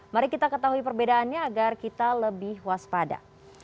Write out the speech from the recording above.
mari kita ketahui perbedaannya agar kita lebih waspada